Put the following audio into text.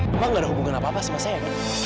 memang gak ada hubungan apa apa sama saya